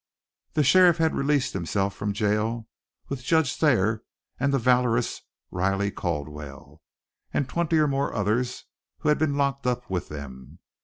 The sheriff had released himself from jail, with Judge Thayer and the valorous Riley Caldwell, and twenty or more others who had been locked up with them.